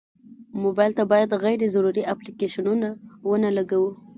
موبایل ته باید غیر ضروري اپلیکیشنونه ونه لګوو.